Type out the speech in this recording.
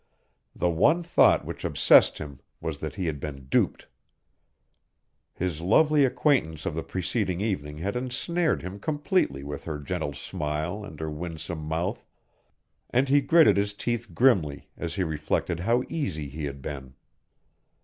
The one thought which obsessed him was that he had been duped. His lovely acquaintance of the preceding evening had ensnared him completely with her gentle smile and her winsome mouth, and he gritted his teeth grimly as he reflected how easy he had been.